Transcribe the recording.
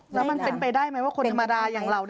แล้วมันเป็นไปได้ไหมว่าคนธรรมดาอย่างเรา